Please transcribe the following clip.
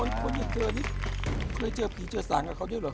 เฮ้ยคนอย่างเจอนิดเคยเจอภีร์เจอสารกับเขาหรือยัง